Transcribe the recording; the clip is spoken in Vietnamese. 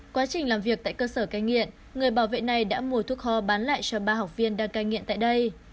quá trình làm việc tại cơ sở cai nghiện người bảo vệ này đã mua thuốc kho bán lại cho ba học viên đang cai nghiện tại đây